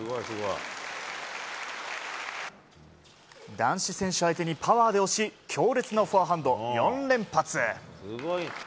男子選手相手にパワーで押し強烈なフォアハンド４連発。